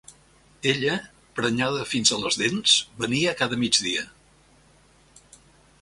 Ella, prenyada fins a les dents, venia cada migdia.